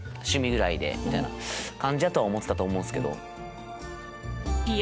みたいな感じやとは思ってたと思うんすけど。